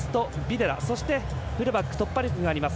フルバック、突破力があります